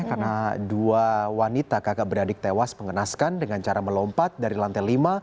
karena dua wanita kakak beradik tewas pengenaskan dengan cara melompat dari lantai lima